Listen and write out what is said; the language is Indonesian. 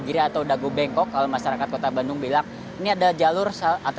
giri atau dago bengkok kalau masyarakat kota bandung bilang ini adalah jalur